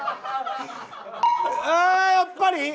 ああやっぱり？